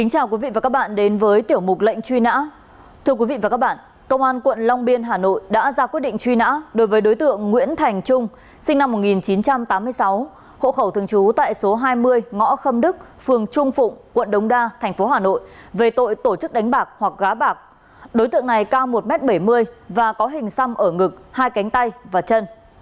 hãy đăng ký kênh để ủng hộ kênh của chúng mình nhé